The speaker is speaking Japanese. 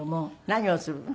何をするの？